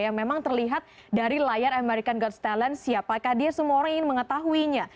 yang memang terlihat dari layar american gots ⁇ talent siapakah dia semua orang ingin mengetahuinya